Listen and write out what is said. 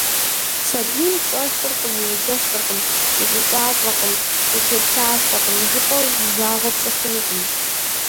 Сабийм «пщӀэр хъуркъым, уеджэфыркъым, ущӀыкӀафӀэкъым, утеплъафӀэкъым», жыпӏэу и жагъуэ пщӏы хъунукъым.